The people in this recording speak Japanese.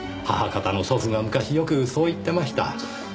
母方の祖父が昔よくそう言ってました。